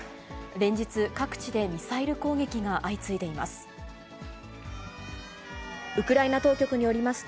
連日、各地でミサイル攻撃が相次いでいます。